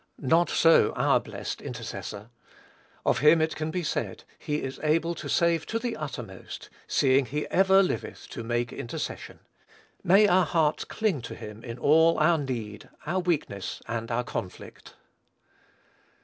Not so our blessed Intercessor. Of him it can be said, "He is able to save to the uttermost, ... seeing he ever liveth to make intercession." May our hearts cling to him in all our need, our weakness, and our conflict.